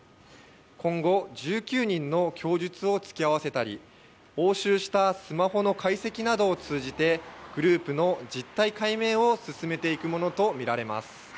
今後１９人の供述を突き合わせたり押収したスマホの解析などを通じてグループの実態解明を進めていくものとみられます。